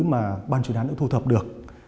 mà ban truyền án đã thu thập được